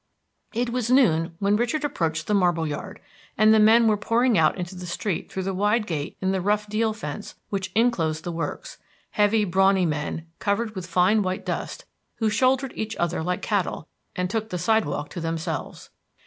It was noon when Richard approached the marble yard, and the men were pouring out into the street through the wide gate in the rough deal fence which inclosed the works, heavy, brawny men, covered with fine white dust, who shouldered each other like cattle, and took the sidewalk to themselves.